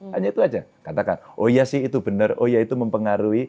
hanya itu saja katakan oh iya sih itu benar oh iya itu mempengaruhi